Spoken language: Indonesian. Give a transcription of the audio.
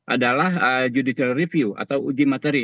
adalah judicial review atau uji materi